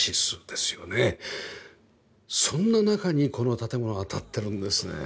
そんな中にこの建物は立ってるんですねえ。